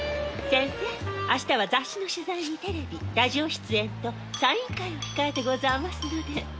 センセ明日は雑誌の取材にテレビラジオ出演とサイン会を控えてござあますので。